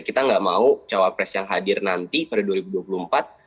kita nggak mau cawapres yang hadir nanti pada dua ribu dua puluh empat